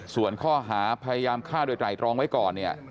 ส่วนหลอมข้อหาพยายามฆ่าโดยไศกรรมไว้ก่อน